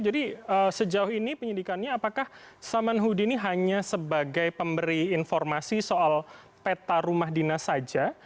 jadi sejauh ini penyidikannya apakah saman hudi ini hanya sebagai pemberi informasi soal peta rumah dinas saja